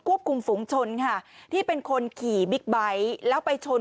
คุมฝุงชนค่ะที่เป็นคนขี่บิ๊กไบท์แล้วไปชน